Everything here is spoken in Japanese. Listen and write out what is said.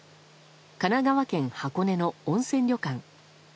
神奈川県箱根の温泉旅館。